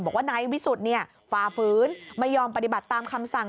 บอกว่านายวิสุทธิ์ฝ่าฝืนไม่ยอมปฏิบัติตามคำสั่ง